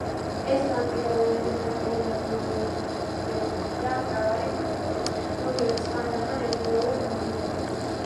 ეს განპირობებულია მრავალი ფაქტორით რომლებიც ხანდახან ერთდროულად მოქმედებენ